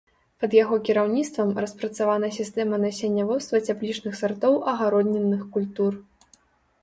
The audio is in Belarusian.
Пад яго кіраўніцтвам распрацавана сістэма насенняводства цяплічных сартоў агароднінных культур.